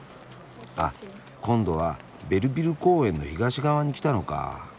あっ今度はベルヴィル公園の東側に来たのか。